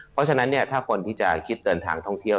เพราะฉะนั้นถ้าคนที่จะคิดเดินทางท่องเที่ยว